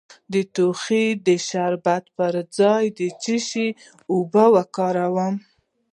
د ټوخي د شربت پر ځای د څه شي اوبه وکاروم؟